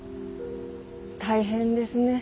大変ですね。